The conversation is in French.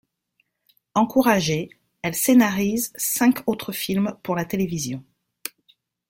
Encouragée, elle scénarise cinq autres films pour la télévision.